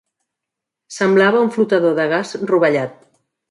Semblava un flotador de gas rovellat.